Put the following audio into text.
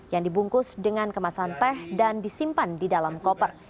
yang dibungkus dengan kemasan teh dan disimpan di dalam koper